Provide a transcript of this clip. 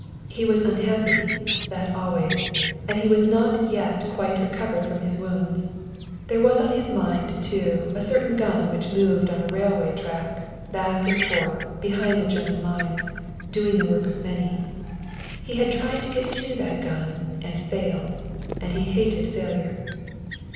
He was unhappy that always and he was not yet quite recovered from his wounds. There was on his mind, too, a certain gun which moved on a railway track, back and forth, behind the German lines, doing the work of many. He had tried to get to that gun, and failed. And he hated failure.